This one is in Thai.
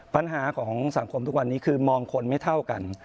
ปัญหาของสังคมทุกวันนี้คือมองคนไม่เท่ากัน